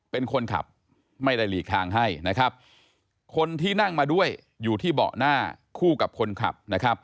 เป็นคนขับไม่ได้หลีกทางให้นะครับคนที่นั่งมาด้วยอยู่ที่เบาะหน้าคู่กับคนขับนะครับ